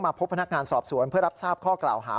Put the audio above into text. พบพนักงานสอบสวนเพื่อรับทราบข้อกล่าวหา